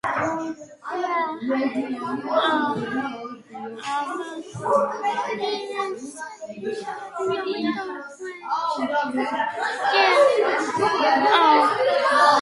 ანტიკური ხანაში გამოიყენებოდა ანატოლიაში, დაკიაში და ბალკანეთის ნახევარკუნძულზე.